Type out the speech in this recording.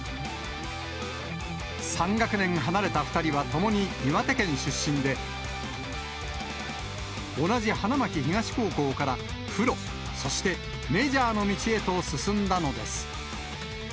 ３学年離れた２人は、ともに岩手県出身で、同じ花巻東高校からプロ、そしてメジャーの道へと進んだのです。